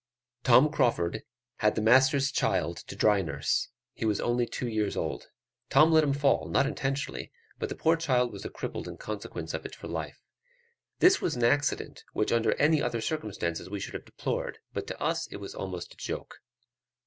Tom Crauford had the master's child to dry nurse: he was only two years old: Tom let him fall, not intentionally, but the poor child was a cripple in consequence of it for life. This was an accident which under any other circumstances we should have deplored, but to us it was almost a joke.